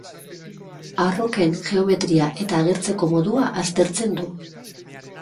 Arroken geometria eta agertzeko modua aztertzen du.